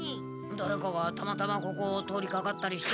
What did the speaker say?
だれかがたまたまここを通りかかったりして。